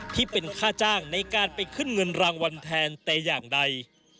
ที่เป็นค่าจ้างในการไปขึ้นเงินรางวัลแทนแต่อย่างใด